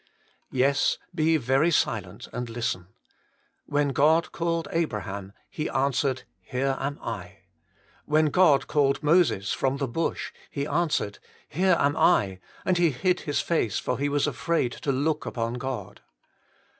Yes, be very silent and listen. When God called Abraham, he answered, Here am I. When God called Moses from the bush, he answered, Here am I, and he hid his face, for he was afraid to look upon God.